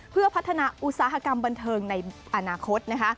เพื่อพัฒนาอุตสาหกรรมบันเทิงในอนาคตนะคะ